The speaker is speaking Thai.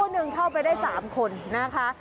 หนึ่งเข้าไปได้๓คนนะคะ